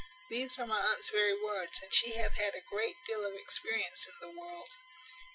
These are my aunt's very words, and she hath had a great deal of experience in the world."